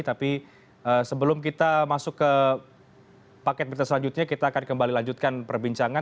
tapi sebelum kita masuk ke paket berita selanjutnya kita akan kembali lanjutkan perbincangan